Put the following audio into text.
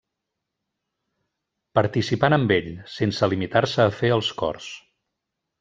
Participant amb ell, sense limitar-se a fer els cors.